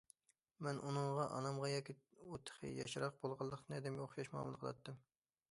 مەن ئۇنىڭغا ئانامغا ياكى ئۇ تېخى ياشراق بولغانلىقتىن ھەدەمگە ئوخشاش مۇئامىلە قىلاتتىم.